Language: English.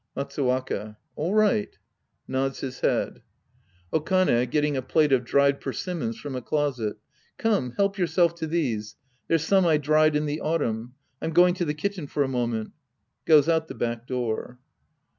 Matsuwaka. All right, {Nods his head.) Okane {getting a plate of dried persimmons from a closet). Come, help yourself to these. They're some I dried in the autumn. I'm going to the kitchen for a moment. {Goes out the back door.)